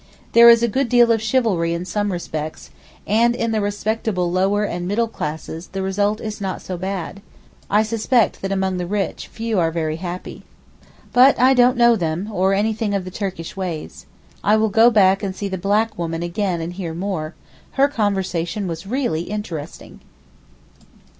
There is a good deal of chivalry in some respects, and in the respectable lower and middle classes the result is not so bad. I suspect that among the rich few are very happy. But I don't know them, or anything of the Turkish ways. I will go and see the black woman again and hear more, her conversation was really interesting.